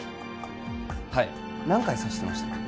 はい何回刺してました？